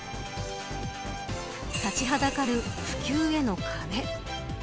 立ちはだかる普及への壁。